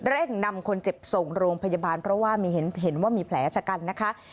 เร่งนำคนเจ็บส่งโรงพยาบาลเพราะว่าเห็นว่ามีแผลชะกันนะคะ